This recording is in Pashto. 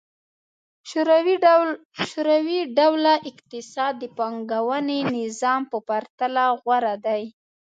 شوروي ډوله اقتصاد د پانګوال نظام په پرتله غوره دی.